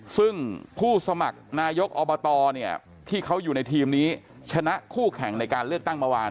ซึ่งผู้สมัครนายกอบตเนี่ยที่เขาอยู่ในทีมนี้ชนะคู่แข่งในการเลือกตั้งเมื่อวาน